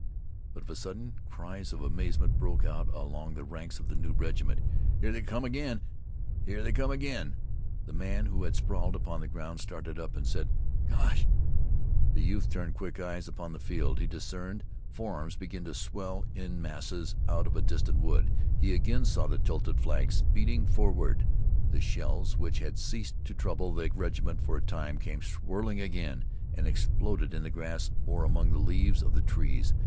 But, of a sudden, cries of amazement broke out along the ranks of the new regiment. "Here they come ag'in! Here they come ag'in!" The man who had sprawled upon the ground started up and said, "Gosh!" The youth turned quick eyes upon the field. He discerned forms begin to swell in masses out of a distant wood. He again saw the tilted flag speeding forward. The shells, which had ceased to trouble the regiment for a time, came swirling again, and exploded in the grass or among the leaves of the trees.